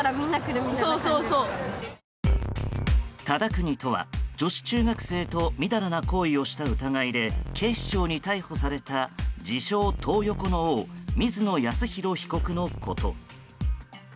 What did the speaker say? ただくにとは女子中学生とみだらな行為をした疑いで警視庁に逮捕された自称トー横の王水野泰宏被告のこと。